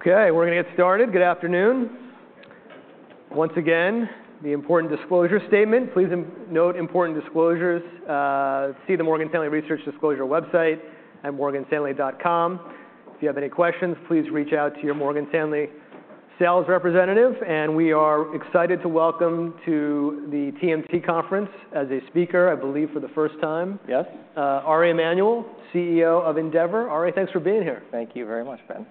Okay, we're gonna get started. Good afternoon. Once again, the important disclosure statement. Please note important disclosures. See the Morgan Stanley Research Disclosure website at morganstanley.com. If you have any questions, please reach out to your Morgan Stanley sales representative. We are excited to welcome to the TMT conference as a speaker, I believe, for the first time. Yes. Ari Emanuel, CEO of Endeavor. Ari, thanks for being here. Thank you very much, Ben.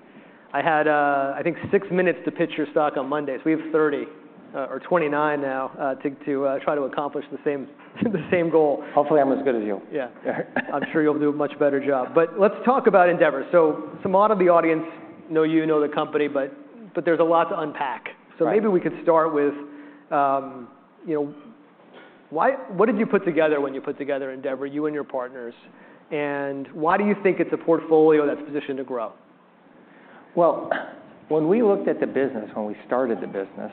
I had, I think six minutes to pitch your stock on Monday, so we have 30, or 29 now, to try to accomplish the same, the same goal. Hopefully I'm as good as you. Yeah. I'm sure you'll do a much better job. Let's talk about Endeavor. Some out of the audience know you, know the company, but there's a lot to unpack. Right. Maybe we could start with, you know, what did you put together when you put together Endeavor, you and your partners? Why do you think it's a portfolio that's positioned to grow? When we looked at the business, when we started the business,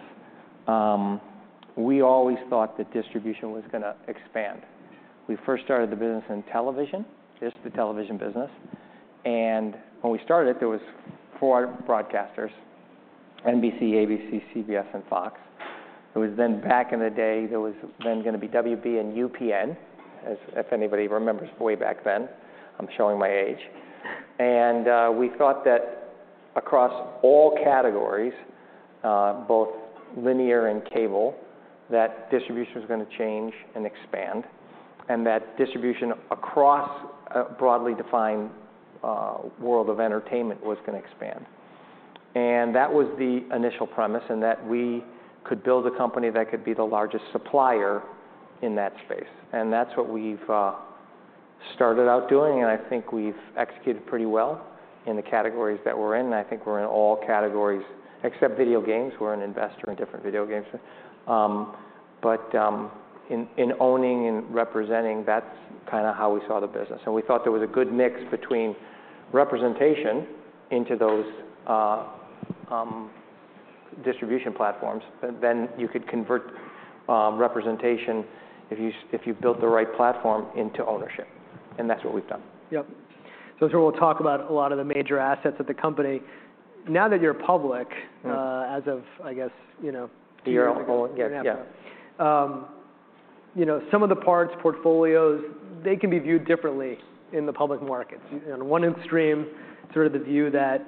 we always thought that distribution was gonna expand. We first started the business in television, just the television business. When we started it, there was four broadcasters, NBC, ABC, CBS, and Fox. It was then back in the day, there was then gonna be WB and UPN, if anybody remembers way back then, I'm showing my age. We thought that across all categories, both linear and cable, that distribution was gonna change and expand, and that distribution across a broadly defined world of entertainment was gonna expand. That was the initial premise, and that we could build a company that could be the largest supplier in that space. That's what we've started out doing, and I think we've executed pretty well in the categories that we're in. I think we're in all categories except video games. We're an investor in different video games. In owning and representing, that's kinda how we saw the business. We thought there was a good mix between representation into those distribution platforms, then you could convert representation if you built the right platform into ownership, and that's what we've done. Yep. I'm sure we'll talk about a lot of the major assets of the company. Now that you're public. Yeah. As of, I guess, you know, two years ago. Year, yeah. Yeah. you know, some of the parts, portfolios, they can be viewed differently in the public markets. On one extreme, sort of the view that,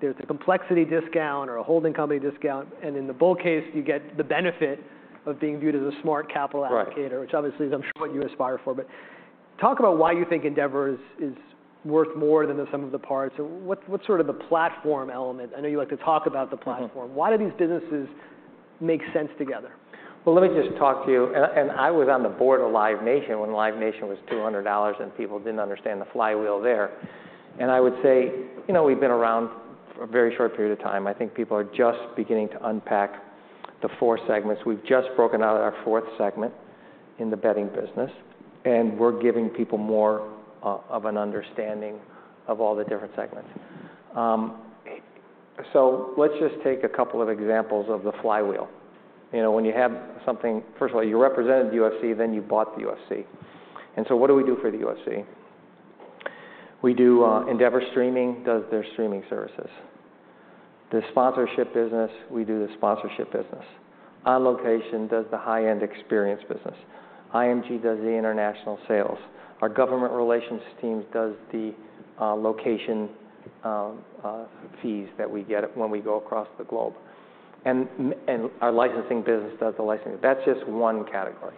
there's a complexity discount or a holding company discount, in the bull case, you get the benefit of being viewed as a smart capital allocator. Right. Which obviously is I'm sure what you aspire for. Talk about why you think Endeavor is worth more than the sum of the parts. What's sort of the platform element? I know you like to talk about the platform. Mm-hmm. Why do these businesses make sense together? Let me just talk to you. And I was on the board of Live Nation when Live Nation was $200 and people didn't understand the flywheel there. I would say, you know, we've been around for a very short period of time. I think people are just beginning to unpack the four segments. We've just broken out our fourth segment in the betting business, and we're giving people more of an understanding of all the different segments. Let's just take a couple of examples of the flywheel. You know, when you have something. First of all, you represented UFC, then you bought the UFC. What do we do for the UFC? We do, Endeavor Streaming does their streaming services. The sponsorship business, we do the sponsorship business. On Location does the high-end experience business. IMG does the international sales. Our government relations teams does the location fees that we get when we go across the globe. Our licensing business does the licensing. That's just one category.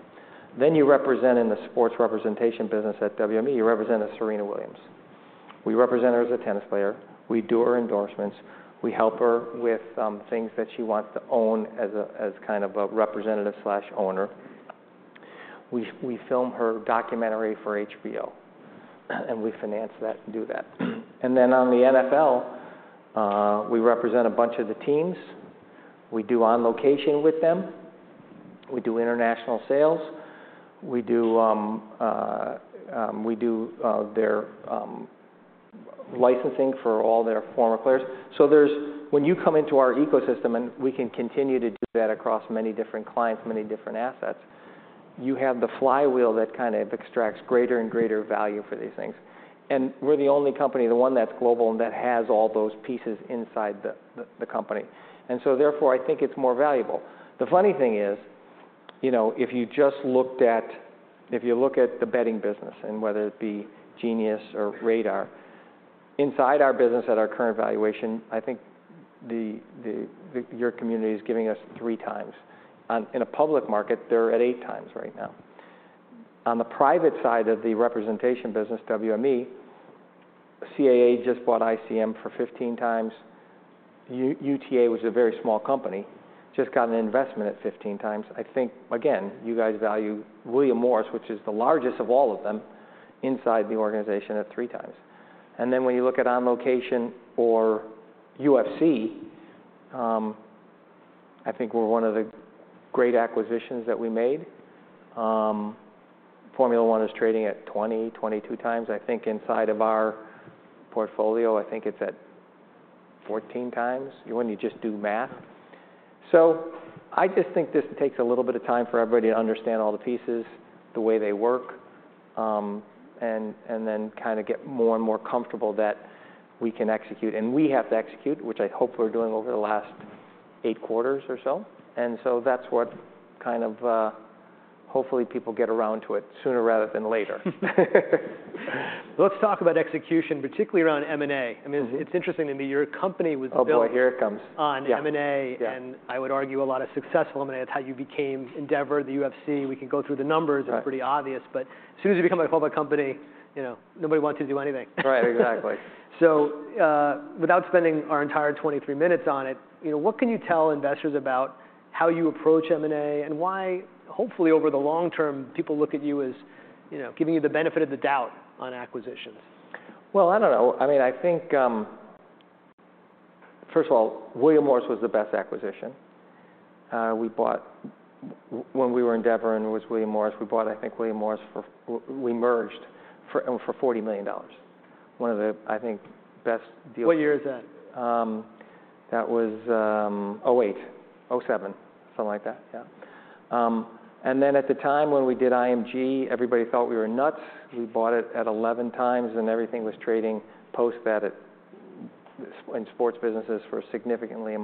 You represent in the sports representation business at WME, you represented Serena Williams. We represent her as a tennis player. We do her endorsements. We help her with things that she wants to own as kind of a representative/owner. We film her documentary for HBO, we finance that and do that. On the NFL, we represent a bunch of the teams. We do on location with them. We do international sales. We do their licensing for all their former players. When you come into our ecosystem, we can continue to do that across many different clients, many different assets, you have the flywheel that kind of extracts greater and greater value for these things. We're the only company, the one that's global, and that has all those pieces inside the company. Therefore, I think it's more valuable. The funny thing is, you know, if you look at the betting business and whether it be Genius or Radar, inside our business at our current valuation, I think your community is giving us three times. In a public market, they're at eight times right now. On the private side of the representation business, WME, CAA just bought ICM for 15 times. UTA was a very small company, just got an investment at 15 times. I think, again, you guys value William Morris, which is the largest of all of them, inside the organization at three times. When you look at On Location for UFC, I think we're one of the great acquisitions that we made. Formula 1 is trading at 22 times. I think inside of our portfolio, I think it's at 14 times when you just do math. I just think this takes a little bit of time for everybody to understand all the pieces, the way they work, and then kind of get more and more comfortable that we can execute, and we have to execute, which I hope we're doing over the last eight quarters or so. That's what kind of, hopefully people get around to it sooner rather than later. Let's talk about execution, particularly around M&A. Mm-hmm. I mean, it's interesting to me, your company was built- Oh, boy. Here it comes. On M&A. Yeah, yeah. I would argue a lot of successful M&A. It's how you became Endeavor, the UFC. Right. They're pretty obvious, but as soon as you become a public company, you know, nobody wants to do anything. Right. Exactly. Without spending our entire 23 minutes on it, you know, what can you tell investors about how you approach M&A and why, hopefully, over the long term, people look at you as, you know, giving you the benefit of the doubt on acquisitions? Well, I don't know. I mean, I think, first of all, William Morris was the best acquisition. when we were Endeavor and it was William Morris, we bought, I think, William Morris for we merged for $40 million. One of the, I think, best deals. What year was that? That was 2008, 2007, something like that, yeah. At the time when we did IMG, everybody felt we were nuts. We bought it at 11 times, and everything was trading post that at in sports businesses for a significantly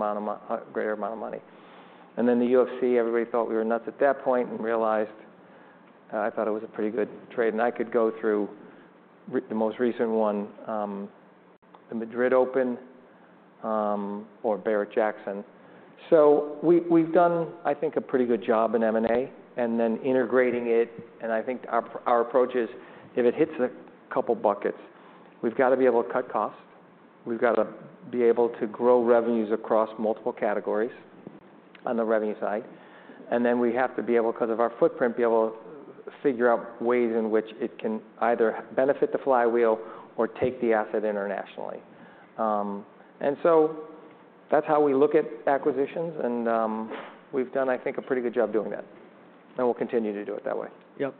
greater amount of money. The UFC, everybody thought we were nuts at that point, and realized I thought it was a pretty good trade, and I could go through the most recent one, the Madrid Open, or Barrett-Jackson. We've done, I think, a pretty good job in M&A and then integrating it, and I think our approach is if it hits a couple buckets, we've gotta be able to cut costs, we've gotta be able to grow revenues across multiple categories on the revenue side, and then we have to be able, because of our footprint, to figure out ways in which it can either benefit the flywheel or take the asset internationally. That's how we look at acquisitions, and we've done, I think, a pretty good job doing that, and we'll continue to do it that way. Yep.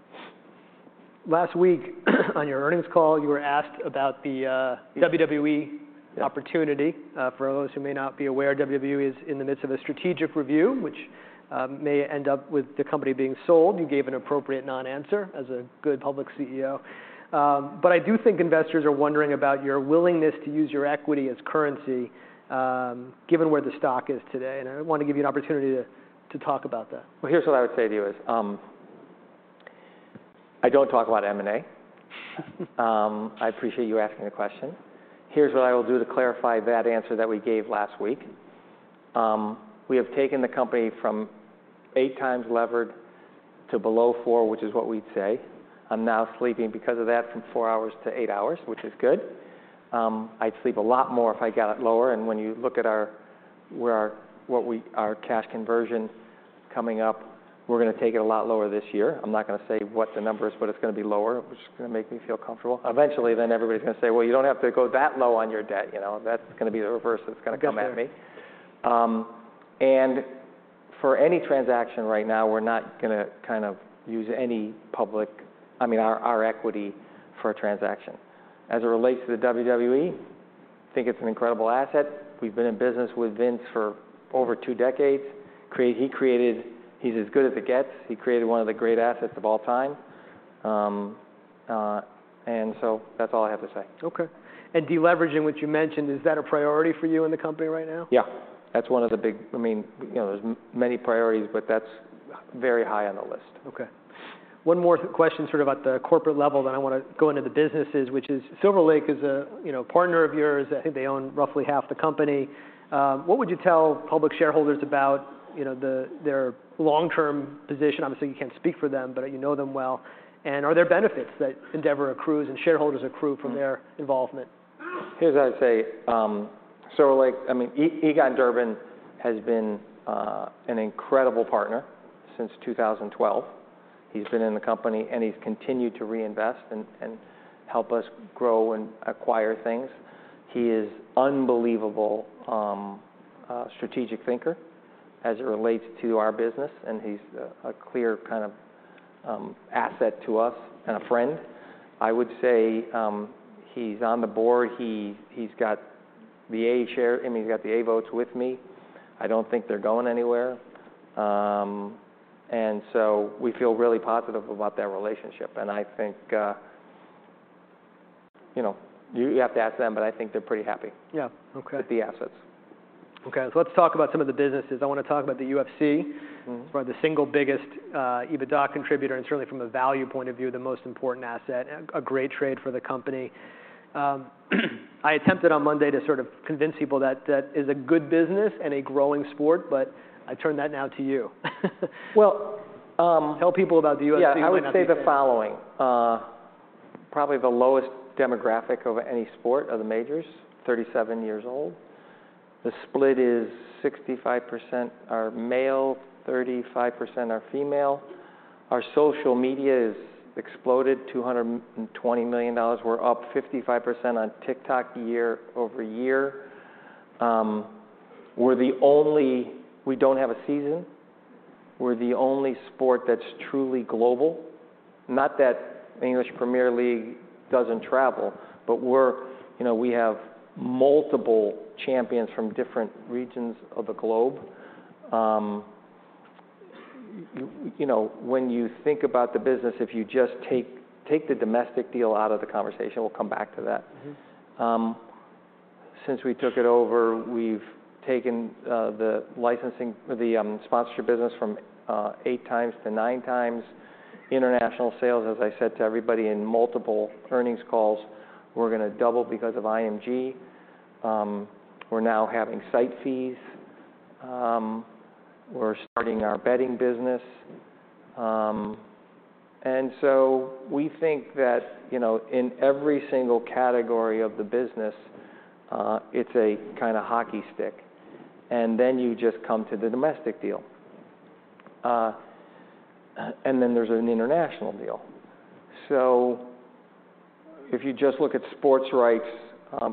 Last week, on your earnings call, you were asked about the WWE opportunity. For those who may not be aware, WWE is in the midst of a strategic review, which may end up with the company being sold. You gave an appropriate non-answer as a good public CEO. I do think investors are wondering about your willingness to use your equity as currency, given where the stock is today, and I want to give you an opportunity to talk about that. Well, here's what I would say to you is, I don't talk about M&A. I appreciate you asking the question. Here's what I will do to clarify that answer that we gave last week. We have taken the company from eight times levered to below four, which is what we'd say. I'm now sleeping, because of that, from four hours to eight hours, which is good. I'd sleep a lot more if I got it lower, and when you look at our cash conversion coming up, we're gonna take it a lot lower this year. I'm not gonna say what the number is, but it's gonna be lower, which is gonna make me feel comfortable. Eventually everybody's gonna say, "Well, you don't have to go that low on your debt," you know? That's gonna be the reverse that's gonna come at me. Good. For any transaction right now, I mean, our equity for a transaction. As it relates to the WWE, I think it's an incredible asset. We've been in business with Vince for over two decades. He's as good as it gets. He created one of the great assets of all time. That's all I have to say. Okay. Deleveraging, which you mentioned, is that a priority for you in the company right now? Yeah. I mean, you know, there's many priorities, but that's very high on the list. Okay. One more question sort of at the corporate level, then I wanna go into the businesses, which is Silver Lake is a, you know, partner of yours. I think they own roughly half the company. What would you tell public shareholders about, you know, their long-term position? Obviously, you can't speak for them, but you know them well. Are there benefits that Endeavor accrues and shareholders accrue from their involvement? Here's what I'd say. Like, I mean, Egon Durban has been an incredible partner since 2012. He's been in the company and he's continued to reinvest and help us grow and acquire things. He is unbelievable strategic thinker as it relates to our business, and he's a clear kind of asset to us and a friend. I would say, he's on the board. He's got the A share, I mean, he's got the A votes with me. I don't think they're going anywhere. We feel really positive about that relationship, and I think, you know, you have to ask them, but I think they're pretty happy. Yeah. Okay. With the assets. Okay. Let's talk about some of the businesses. I want to talk about the UFC. Mm-hmm. Sort of the single biggest, EBITDA contributor, and certainly from a value point of view, the most important asset, a great trade for the company. I attempted on Monday to sort of convince people that that is a good business and a growing sport, but I turn that now to you. Well- Tell people about the UFC. Yeah, I would say the following. Probably the lowest demographic of any sport are the majors, 37 years old. The split is 65% are male, 35% are female. Our social media has exploded, $220 million. We're up 55% on TikTok year-over-year. We don't have a season. We're the only sport that's truly global. Not that English Premier League doesn't travel, but we're, you know, we have multiple champions from different regions of the globe. You know, when you think about the business, if you just take the domestic deal out of the conversation, we'll come back to that. Mm-hmm. Since we took it over, we've taken the licensing for the sponsorship business from eight times to nine times. International sales, as I said to everybody in multiple earnings calls, we're going to double because of IMG. We're now having site fees. We're starting our betting business. We think that, you know, in every single category of the business, it's a kind of hockey stick, and then you just come to the domestic deal. There's an international deal. If you just look at sports rights,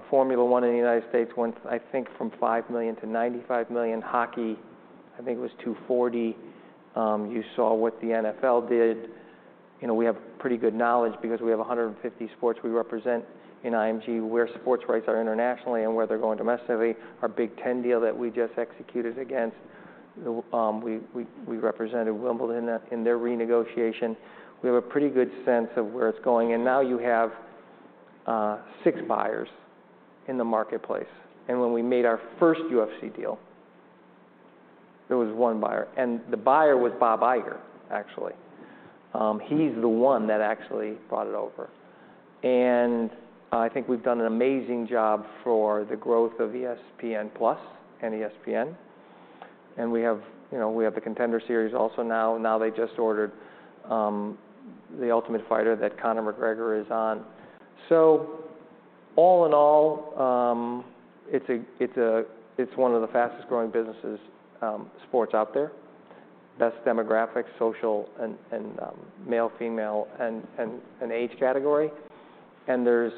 Formula 1 in the United States went, I think, from $5 million-$95 million. Hockey, I think it was $240 million. You saw what the NFL did. You know, we have pretty good knowledge because we have 150 sports we represent in IMG where sports rights are internationally and where they're going domestically. Our Big Ten deal that we just executed against, we represented Wimbledon in their renegotiation. We have a pretty good sense of where it's going. Now you have six buyers in the marketplace. When we made our first UFC deal, there was one buyer, and the buyer was Bob Iger, actually. He's the one that actually brought it over. I think we've done an amazing job for the growth of ESPN+ and ESPN, and we have, you know, we have the Contender Series also now. They just ordered The Ultimate Fighter that Conor McGregor is on. All in all, it's one of the fastest growing businesses, sports out there. Best demographics, social, male, female, and age category. There's,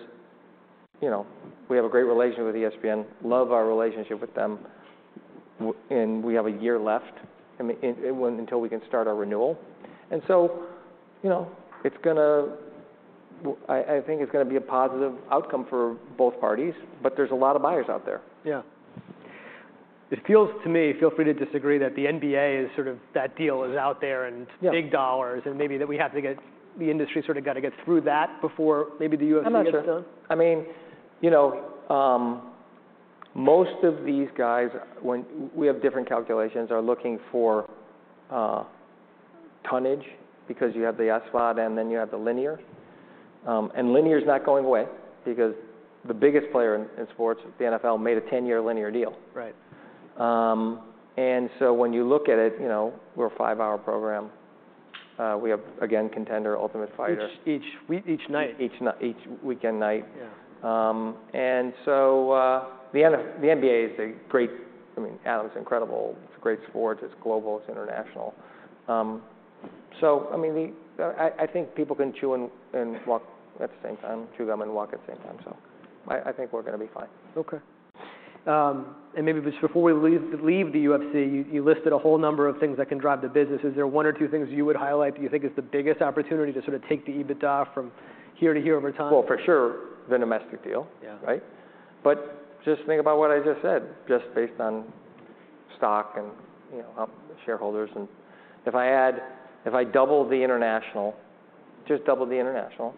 you know, we have a great relationship with ESPN. Love our relationship with them and we have a year left, I mean, until we can start our renewal. You know, it's gonna I think it's gonna be a positive outcome for both parties, but there's a lot of buyers out there. Yeah. It feels to me, feel free to disagree, that the NBA is sort of that deal is out there and- Yeah. Big dollars and maybe that we have to get, the industry sort of gotta get through that before maybe the UFC gets done. I'm not sure. I mean, you know, most of these guys when we have different calculations, are looking for tonnage because you have the SVOD and then you have the linear. Linear's not going away because the biggest player in sports, the NFL, made a 10-year linear deal. Right. When you look at it, you know, we're a five-hour program. We have, again, Contender, Ultimate Fighter. Each week, each night. Each weekend night. Yeah. The NBA is a great. I mean, Adam's incredible. It's a great sport. It's global. It's international. I mean, I think people can chew and walk at the same time, chew gum and walk at the same time, I think we're gonna be fine. Okay. Maybe just before we leave the UFC, you listed a whole number of things that can drive the business. Is there one or two things you would highlight that you think is the biggest opportunity to sort of take the EBITDA from here to here over time? Well, for sure, the domestic deal. Yeah. Right? Just think about what I just said, just based on stock and, you know, shareholders. If I double the international, just double the international,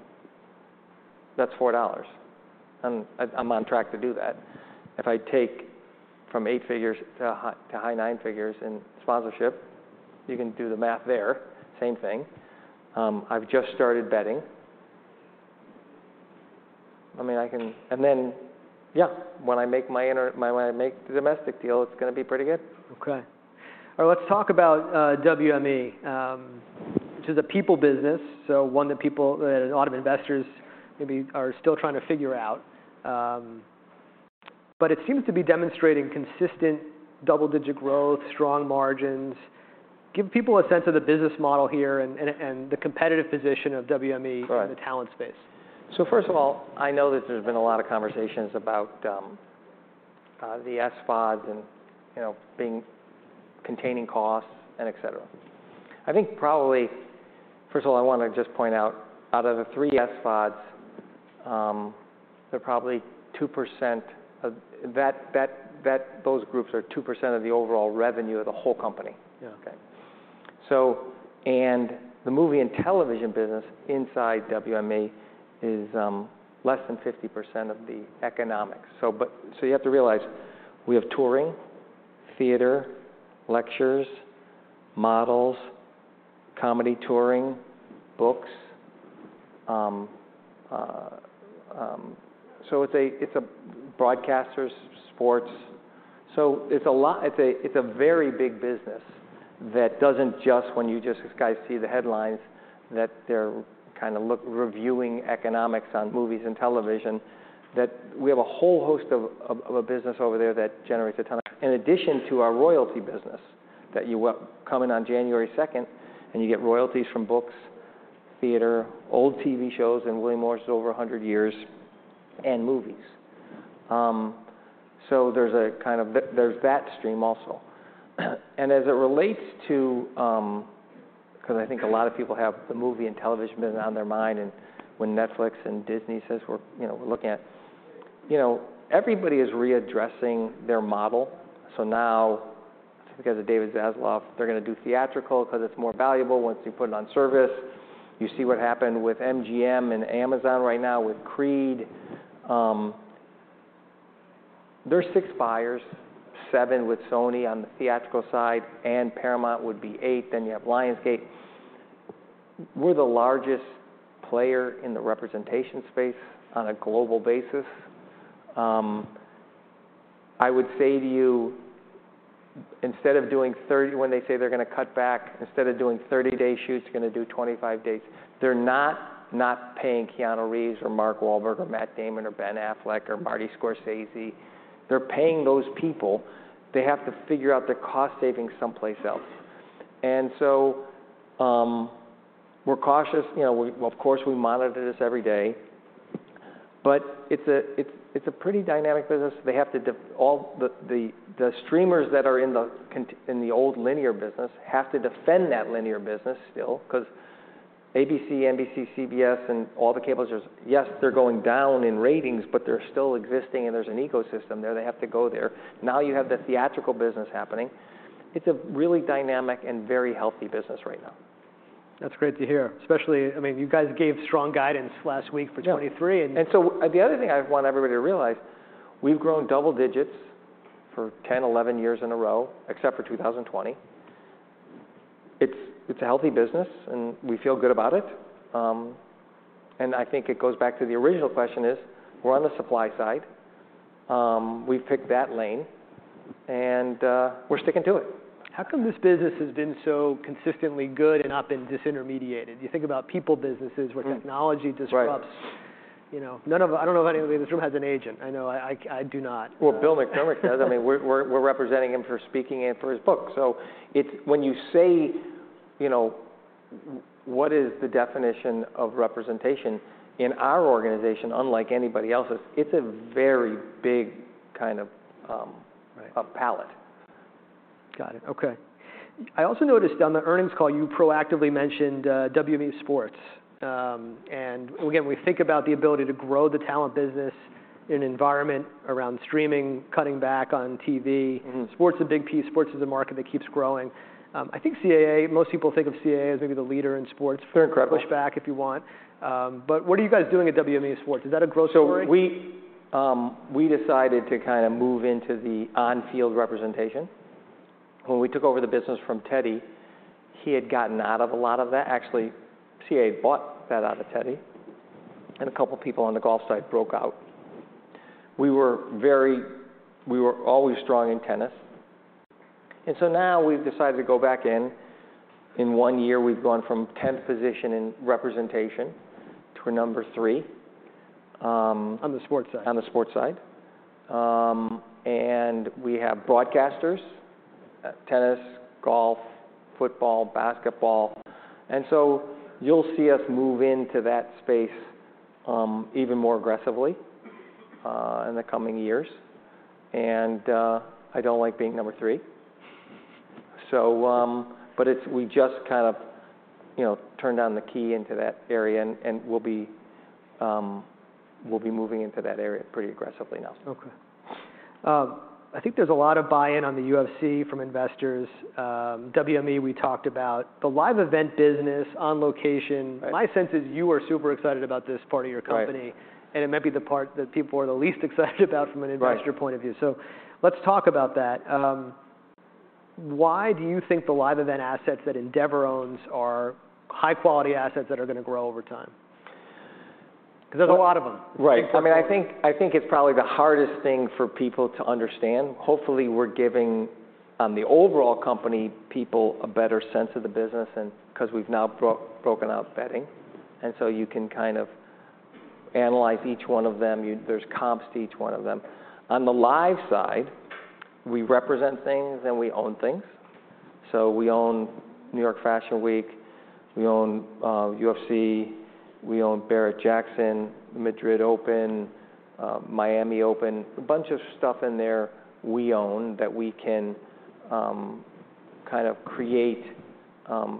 that's $4. I'm on track to do that. If I take from eight figures to high nine figures in sponsorship, you can do the math there. Same thing. I've just started betting. I mean, I can. Yeah. When I make the domestic deal, it's gonna be pretty good. Okay. All right, let's talk about WME, which is a people business, so one that people, a lot of investors maybe are still trying to figure out. But it seems to be demonstrating consistent double-digit growth, strong margins. Give people a sense of the business model here and the competitive position of WME- Right. In the talent space. First of all, I know that there's been a lot of conversations about the SVODs and, you know, containing costs and et cetera. I think probably, first of all, I wanna just point out of the three SVODs, they're probably 2% of... Those groups are 2% of the overall revenue of the whole company. Yeah, okay. The movie and television business inside WME is less than 50% of the economics. You have to realize we have touring, theater, lectures, models, comedy touring, books. Broadcasters, sports. It's a lot, it's a very big business that doesn't just, when you just guys see the headlines, that they're kinda reviewing economics on movies and television, that we have a whole host of a business over there that generates a ton. In addition to our royalty business that you come in on January 2nd, and you get royalties from books, theater, old TV shows, and William Morris is over 100 years, and movies. There's a kind of there's that stream also. As it relates to. I think a lot of people have the movie and television business on their mind. When Netflix and Disney says we're, you know, we're looking at. You know, everybody is readdressing their model. Now, I think as of David Zaslav, they're gonna do theatrical 'cause it's more valuable once you put it on service. You see what happened with MGM and Amazon right now with Creed. There's six buyers, seven with Sony on the theatrical side, and Paramount would be eight. You have Lionsgate. We're the largest player in the representation space on a global basis. I would say to you, instead of doing 30. When they say they're gonna cut back, instead of doing 30-day shoots, they're gonna do 25 dates. They're not paying Keanu Reeves or Mark Wahlberg or Matt Damon or Ben Affleck or Martin Scorsese. They're paying those people. They have to figure out their cost savings someplace else. We're cautious. You know, well, of course, we monitor this every day. It's a pretty dynamic business. They have to all the streamers that are in the old linear business have to defend that linear business still, 'cause ABC, NBC, CBS, and all the cable. Yes, they're going down in ratings, but they're still existing and there's an ecosystem there. They have to go there. Now you have the theatrical business happening. It's a really dynamic and very healthy business right now. That's great to hear, especially, I mean, you guys gave strong guidance last week for 2023. Yeah. The other thing I want everybody to realize, we've grown double digits for 10, 11 years in a row, except for 2020. It's a healthy business, and we feel good about it. I think it goes back to the original question is, we're on the supply side. We've picked that lane. We're sticking to it. How come this business has been so consistently good and not been disintermediated? You think about people businesses where technology disrupts- Right. You know, I don't know if anybody in this room has an agent. I know I do not. Well, Bill McCormick does. I mean, we're representing him for speaking and for his book. When you say, you know, what is the definition of representation? In our organization, unlike anybody else's, it's a very big kind of. Right. A palette. Got it. Okay. I also noticed on the earnings call, you proactively mentioned, WME Sports. Again, when we think about the ability to grow the talent business in an environment around streaming, cutting back on TV. Mm-hmm. Sports is a big piece. Sports is a market that keeps growing. I think CAA, most people think of CAA as maybe the leader in sports. They're incredible. Push back if you want. What are you guys doing at WME Sports? Is that a growth story? We decided to kinda move into the on-field representation. When we took over the business from Teddy, he had gotten out of a lot of that. Actually, CAA bought that out of Teddy, and a couple people on the golf side broke out. We were always strong in tennis. Now we've decided to go back in. In one year, we've gone from 10th position in representation to number three. On the sports side? On the sports side. We have broadcasters, tennis, golf, football, basketball. You'll see us move into that space, even more aggressively, in the coming years. I don't like being number three. We just kind of, you know, turned on the key into that area, and we'll be moving into that area pretty aggressively now. Okay. I think there's a lot of buy-in on the UFC from investors. WME, we talked about. The live event business, On Location- Right. My sense is you are super excited about this part of your company. Right. It might be the part that people are the least excited about from an investor point of view. Right. Let's talk about that. Why do you think the live event assets that Endeavor owns are high-quality assets that are gonna grow over time? 'Cause there's a lot of them. Right. I mean, I think it's probably the hardest thing for people to understand. Hopefully, we're giving, on the overall company, people a better sense of the business and because we've now broken out betting. You can kind of analyze each one of them. There's comps to each one of them. On the live side, we represent things and we own things. We own New York Fashion Week, we own UFC, we own Barrett-Jackson, Madrid Open, Miami Open, a bunch of stuff in there we own that we can kind of create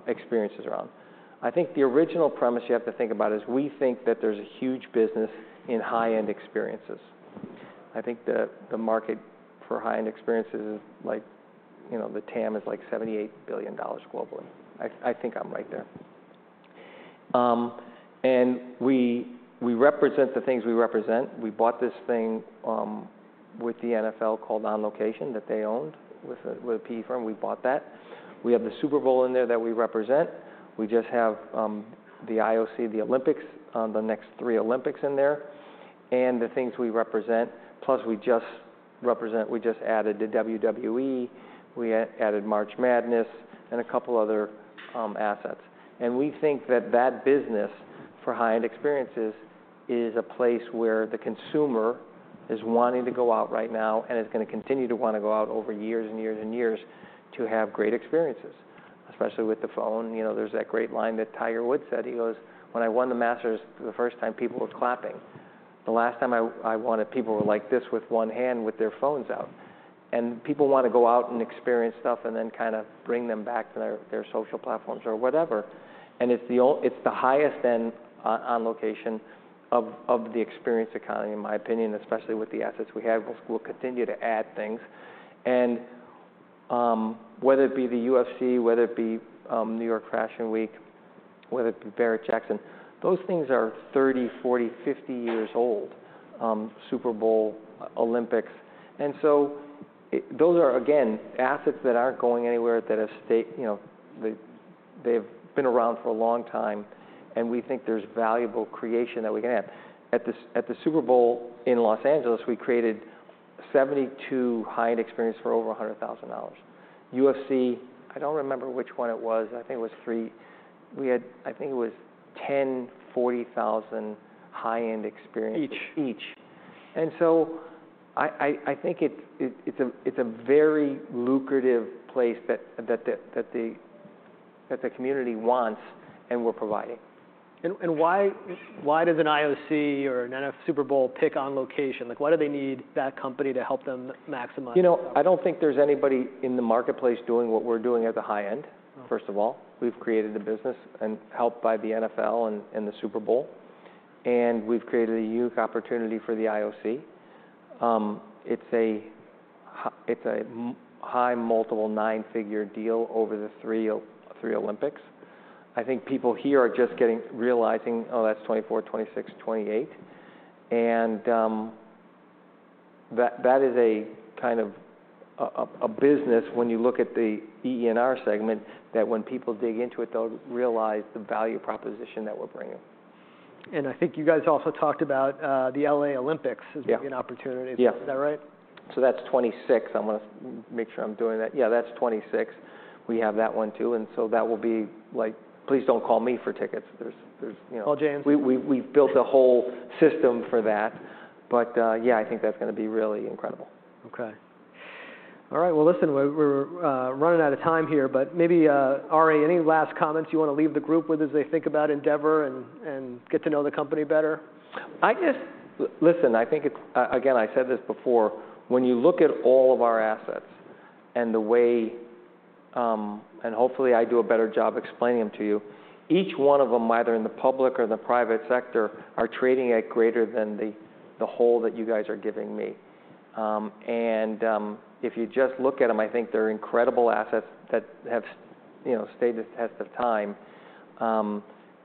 experiences around. I think the original premise you have to think about is we think that there's a huge business in high-end experiences. I think the market for high-end experiences is like, you know, the TAM is like $78 billion globally. I think I'm right there. We represent the things we represent. We bought this thing with the NFL called On Location that they owned with a PE firm. We bought that. We have the Super Bowl in there that we represent. We just have the IOC, the Olympics, the next three Olympics in there, the things we represent. We just added the WWE, we added March Madness, a couple other assets. We think that that business for high-end experiences is a place where the consumer is wanting to go out right now, and is gonna continue to wanna go out over years and years and years to have great experiences, especially with the phone. You know, there's that great line that Tiger Woods said. He goes, "When I won the Masters the first time, people were clapping. The last time I won it, people were like this with one hand with their phones out." People wanna go out and experience stuff, and then kinda bring them back to their social platforms or whatever. It's the highest-end On Location of the experience economy, in my opinion, especially with the assets we have. We'll continue to add things. Whether it be the UFC, whether it be New York Fashion Week, whether it be Barrett-Jackson, those things are 30, 40, 50 years old. Super Bowl, Olympics. Those are, again, assets that aren't going anywhere that have you know, they've been around for a long time, and we think there's valuable creation that we can have. At the Super Bowl in Los Angeles, we created 72 high-end experiences for over $100,000. UFC, I don't remember which one it was, I think it was three. We had, I think it was 10 $40,000 high-end experiences. Each. Each. I think it's a very lucrative place that the community wants, and we're providing. Why does an IOC or a Super Bowl pick On Location? Like, why do they need that company to help them maximize? You know, I don't think there's anybody in the marketplace doing what we're doing at the high end. First of all. We've created a business and helped by the NFL and the Super Bowl, and we've created a unique opportunity for the IOC. It's a high multiple nine-figure deal over the three Olympics. I think people here are just getting. Realizing, "Oh, that's 2024, 2026, 2028." That is a kind of a business when you look at the Events, Experiences & Rights segment that when people dig into it, they'll realize the value proposition that we're bringing. I think you guys also talked about the L.A. Olympics... Yeah. As maybe an opportunity. Yeah. Is that right? That's 2026. I wanna make sure I'm doing that. Yeah, that's 2026. We have that one, too. That will be, like, please don't call me for tickets. There's, you know. Call James. We've built a whole system for that. Yeah, I think that's gonna be really incredible. Okay. All right. Well, listen, we're running out of time here, but maybe Ari, any last comments you wanna leave the group with as they think about Endeavor and get to know the company better? I just listen, I think it's again, I said this before. When you look at all of our assets and the way. Hopefully I do a better job explaining them to you. Each one of them, either in the public or the private sector, are trading at greater than the whole that you guys are giving me. If you just look at them, I think they're incredible assets that have you know, stood the test of time.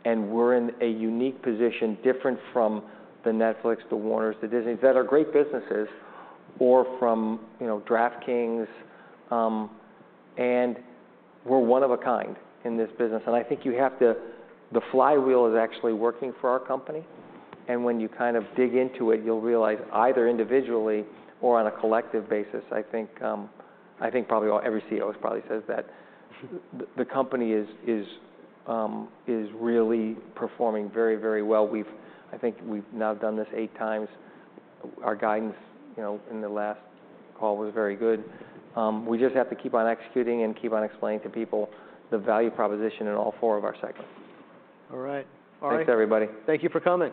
We're in a unique position different from the Netflix, the Warners, the Disneys that are great businesses or from, you know, DraftKings. We're one of a kind in this business, and I think you have to. The flywheel is actually working for our company. When you kind of dig into it, you'll realize either individually or on a collective basis, I think probably Every CEO probably says that. The company is really performing very, very well. I think we've now done this eight times. Our guidance, you know, in the last call was very good. We just have to keep on executing and keep on explaining to people the value proposition in all four of our segments. All right. Ari. Thanks, everybody. Thank you for coming.